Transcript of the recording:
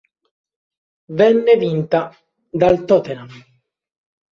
Venne vinta dal Tottenham.